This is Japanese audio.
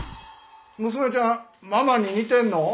娘ちゃんママに似てんの？